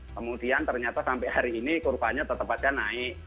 kemudian ternyata sampai hari ini kurvanya tetap saja naik